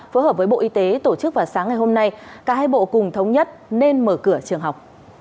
phối hợp với bộ y tế tổ chức vào sáng ngày hôm nay cả hai bộ cùng thống nhất nên mở cửa trường học